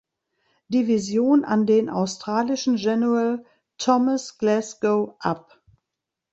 Division an den australischen General Thomas Glasgow ab.